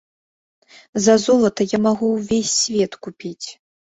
За золата я магу ўвесь свет купіць.